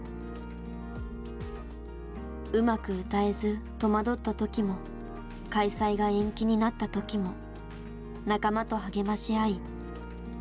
うまく歌えず戸惑った時も開催が延期になった時も仲間と励まし合い乗り越えてきた。